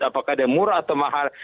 apakah dia murah atau mahal